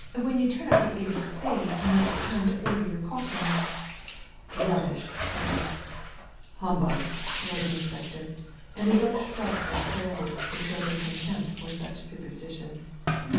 When you turn up the ace of spades you know it's time to order your coffin." « Rubbish !" said Gebb. " Humbug 1 " roared the inspector; and they both shrugged their shoulders to show their contempt for such superstition.